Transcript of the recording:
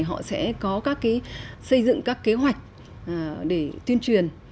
họ sẽ có các xây dựng các kế hoạch để tuyên truyền